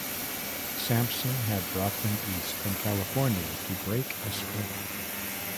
Sampson had brought them east from California to break a strike.